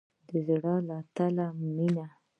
د زړه له تله مننه